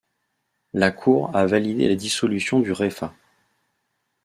La Cour a validé la dissolution du Refah.